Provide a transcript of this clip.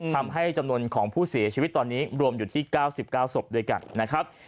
ทำให้จำนวนของผู้เสียชีวิตตอนนี้รวมอยู่ที่๙๙ศพด้วยกันนะครับ